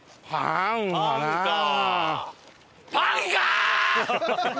パンか。